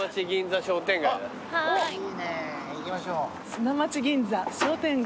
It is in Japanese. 砂町銀座商店街。